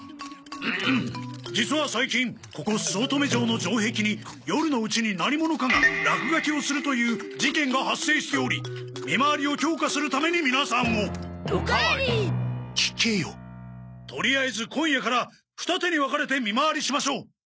実は最近ここ酢乙女城の城壁に夜のうちに何者かが落書きをするという事件が発生しており見回りを強化するために皆さんを。おかわり！聞けよ。とりあえず今夜から二手に分かれて見回りしましょう。